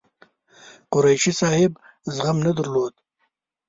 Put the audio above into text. قریشي صاحب زغم نه درلود.